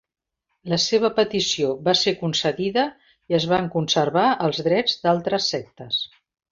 La seva petició va ser concedida i es van conservar els drets d'altres sectes.